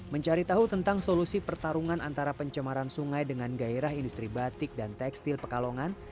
mencari tahu tentang solusi pertarungan antara pencemaran sungai dengan gairah industri batik dan tekstil pekalongan